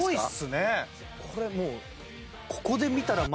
これもう。